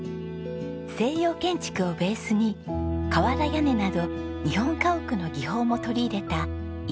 西洋建築をベースに瓦屋根など日本家屋の技法も取り入れた伊深村役場。